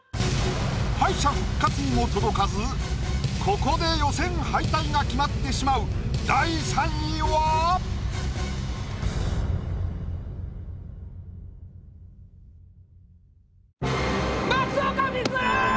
敗者復活にも届かずここで予選敗退が決まってしまう第３位は⁉松岡充！